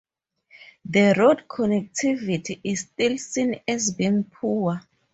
The road connectivity is still seen as being poor.